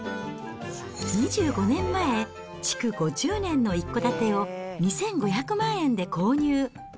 ２５年前、築５０年の一戸建てを２５００万円で購入。